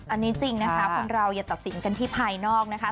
อันนี้จริงนะคะคนเราอย่าตัดสินกันที่ภายนอกนะคะ